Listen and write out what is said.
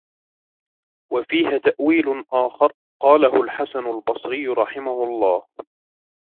وَفِيهَا تَأْوِيلٌ آخَرُ قَالَهُ الْحَسَنُ الْبَصْرِيُّ رَحِمَهُ اللَّهُ